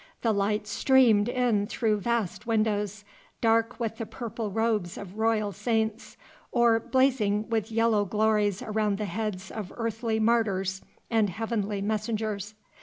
The light streamed in through vast windows, dark with the purple robes of royal saints, or blazing with yellow glories around the heads of earthly martyrs and heavenly messengers.